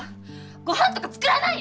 ごはんとか作らない！